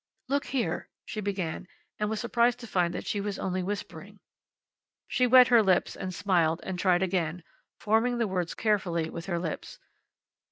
"Look here," she began, and was surprised to find that she was only whispering. She wet her lips and smiled, and tried again, forming the words carefully with her lips.